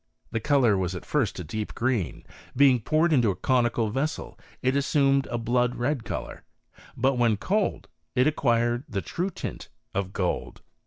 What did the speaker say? The colour was at first a deep green ; being poured into a conical vessel, it assumed a blood red colour; but when cold, it acquired the true tint of gold.